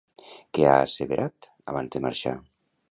Què ha asseverat, abans de marxar?